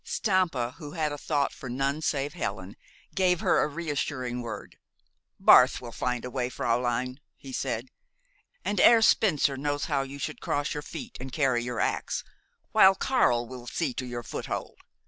Stampa, who had a thought for none save Helen, gave her a reassuring word. "Barth will find a way, fräulein," he said. "And Herr Spencer knows how you should cross your feet and carry your ax, while Karl will see to your foothold.